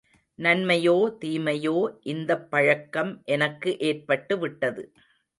நன்மையோ, தீமையோ இந்தப் பழக்கம் எனக்கு ஏற்பட்டு விட்டது.